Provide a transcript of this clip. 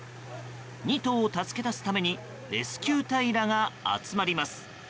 ２頭を助け出すためにレスキュー隊らが集まります。